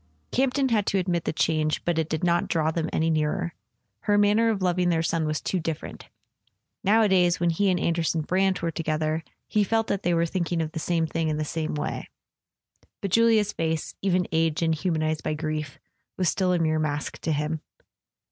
Campton had to admit the change, but it did not draw them any nearer. Her manner of loving their son was too different. Nowadays, when he and An¬ derson Brant were together, he felt that they were thinking of the same things in the same way; but Julia's [ 298 ] A SON AT THE FRONT face, even aged and humanized by grief, was still a mere mask to him.